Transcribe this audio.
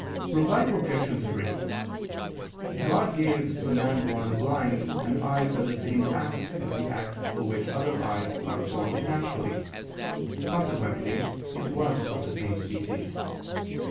Reply Obj. 3: God gave the man born blind an eye for the same act as the act for which other eyes are formed naturally: consequently it was of the same species.